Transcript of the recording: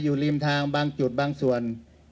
อยู่ริมทางบางจุดบางส่วน